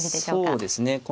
そうですね。